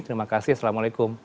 terima kasih assalamualaikum